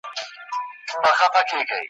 وېره ,